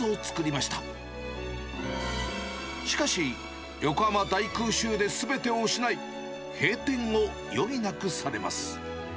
しかし、横浜大空襲ですべてを失い、閉店を余儀なくされます。